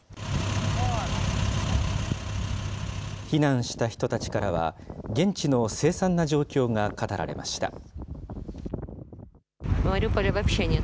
避難した人たちからは、現地の凄惨な状況が語られました。